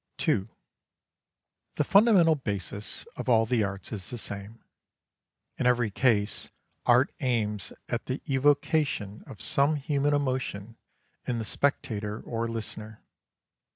II The fundamental basis of all the arts is the same. In every case art aims at the evocation of some human emotion in the spectator or listener.